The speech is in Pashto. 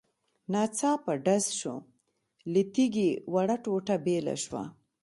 . ناڅاپه ډز شو، له تيږې وړه ټوټه بېله شوه.